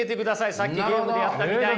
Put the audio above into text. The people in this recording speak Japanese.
さっきゲームでやったみたいに。